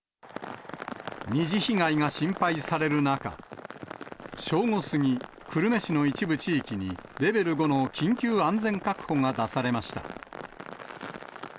二次被害が心配される中、正午過ぎ、久留米市の一部地域にレベル５の緊急安全確保が出されました。